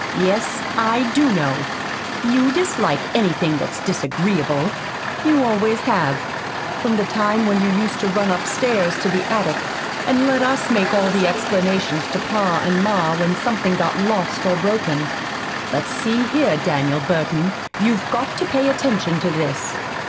"Yes, I do know. You dislike anything that's disagreeable. You always have, from the time when you used to run upstairs to the attic and let us make all the explanations to pa and ma when something got lost or broken. But, see here, Daniel Burton, you've GOT to pay attention to this.